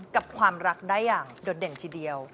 กับความรักได้อย่างโดดเด่นทีเดียว